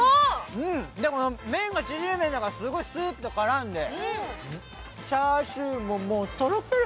でも麺が縮れ麺だから、すごいスープと絡んでチャーシューもとろける。